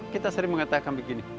kita sering mengatakan begini